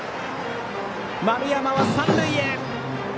丸山は三塁へ。